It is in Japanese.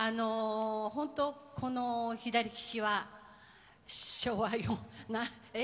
本当、この左ききは、昭和、え？